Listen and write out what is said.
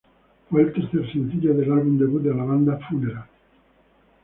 Fue el tercer sencillo del álbum debut de la banda, "Funeral".